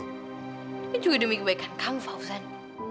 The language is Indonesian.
tapi juga demi kebaikan kamu fawzen